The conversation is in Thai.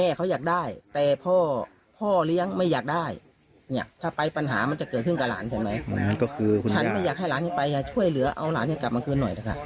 อืมก็คือคุณย่าฉันก็อยากให้หลานนี้ไปช่วยเหลือเอาหลานนี้กลับมากลัวหน่อยนะคะ